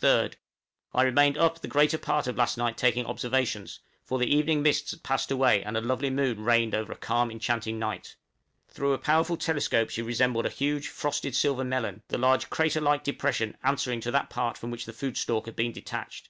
3rd. I remained up the greater part of last night taking observations, for the evening mists had passed away, and a lovely moon reigned over a calm enchanting night; through a powerful telescope she resembled a huge frosted silver melon, the large crater like depression answering to that part from which the footstalk had been detached.